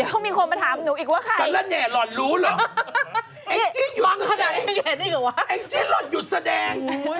ไอ้จิ๊นลดหยุดแสดง